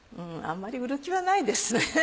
あんまり売る気はないですね。